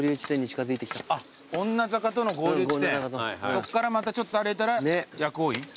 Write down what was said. そっからまたちょっと歩いたら薬王院？